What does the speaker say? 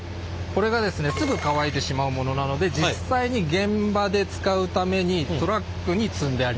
これがですねすぐ乾いてしまうものなので実際に現場で使うためにトラックに積んであります。